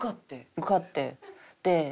受かって。